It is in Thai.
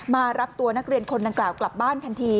มารับตัวนักเรียนคนดังกล่าวกลับบ้านทันที